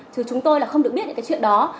chứ chúng tôi là không được biết những cái chuyện đó